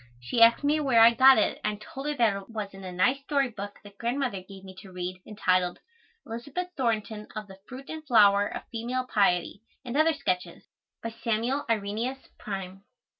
She asked me where I got it and I told her that it was in a nice story book that Grandmother gave me to read entitled "Elizabeth Thornton or the Flower and Fruit of Female Piety, and other sketches," by Samuel Irenaeus Prime.